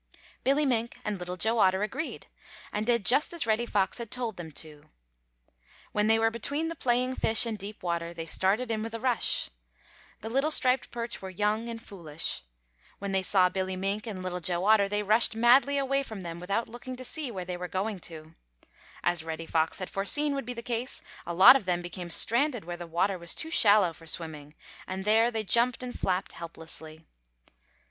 Billy Mink and little Joe Otter agreed, and did just as Reddy Fox had told them to. When they were between the playing fish and deep water they started in with a rush. The little striped perch were young and foolish. When they saw Billy Mink and Little Joe Otter they rushed madly away from them without looking to see where they were going to. As Reddy Fox had foreseen would be the case, a lot of them became stranded where the water was too shallow for swimming, and there they jumped and flapped helplessly.